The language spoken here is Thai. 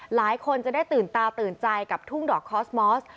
หลายคนจะได้ตื่นตาตื่นใจกับทุ่งดอกคอสมอส